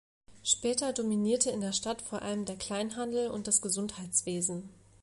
Später dominierte in der Stadt vor allem der Kleinhandel und das Gesundheitswesen.